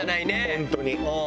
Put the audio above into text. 本当に。